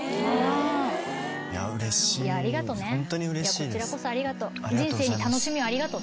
こちらこそありがとう。